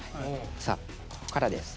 さあここからです。